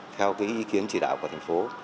theo cái ý kiến chỉ đạo của thành phố